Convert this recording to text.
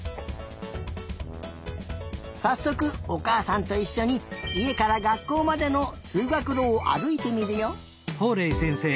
さっそくおかあさんといっしょにいえからがっこうまでのつうがくろをあるいてみるよ。